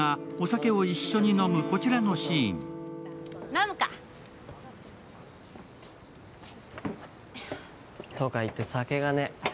飲むか！とかいって、酒がねえ。